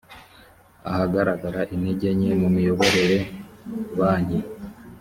ahagaragara intege nke mu miyoborere banki